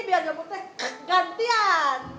biar nyomot teh bergantian